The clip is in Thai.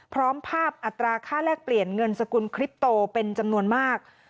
พร้อมภาพอัตราค่าแลกเปลี่ยนเงินสกุลคริปโตเป็นจำนวนมาก